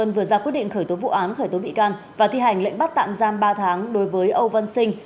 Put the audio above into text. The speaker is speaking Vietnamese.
vừa ra quyết định khởi tố vụ án khởi tố bị can và thi hành lệnh bắt tạm giam ba tháng đối với âu văn sinh